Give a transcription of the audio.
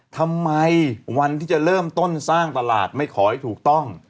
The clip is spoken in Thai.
ทำไมวันที่จะเริ่มต้นสร้างตลาดไม่ขอให้ถูกต้อง